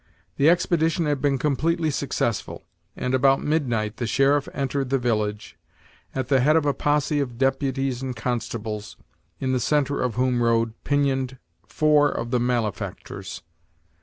The expedition had been completely successful, and about midnight the sheriff entered the village, at the head of a posse of deputies and constables, in the centre of whom rode, pinioned, four of the malefactors.